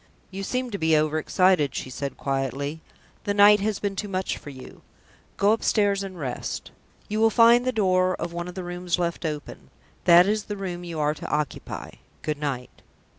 "You seem to be overexcited," she said quietly. "The night has been too much for you. Go upstairs, and rest. You will find the door of one of the rooms left open. That is the room you are to occupy. Good night."